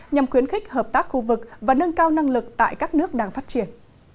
nhằm khuyến khích hợp tác khu vực và nâng cao năng lực tại các nước đang phát triển